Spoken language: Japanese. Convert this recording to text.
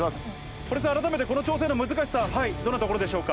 堀さん、改めてこの挑戦の難しさ、どんなところでしょうか。